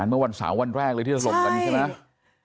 เมื่อวันสามวันแรกที่ดรมกันใช่ไหมเป็นไม่ได้